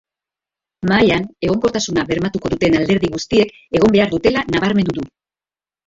Mahaian egonkortasuna bermatuko duten alderdi guztiek egon behar dutela nabarmendu du.